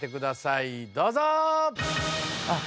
どうぞ！